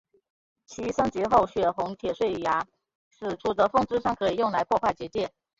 其升级后血红铁碎牙使出的风之伤可以用来破坏结界。